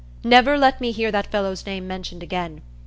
Never let me hear that fellow's name mentioned again.